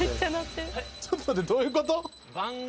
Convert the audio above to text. ちょっと待ってどういう事？